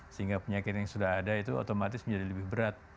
sehingga penyakit yang sudah ada itu otomatis menjadi lebih berat